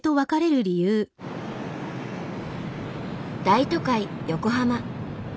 大都会横浜。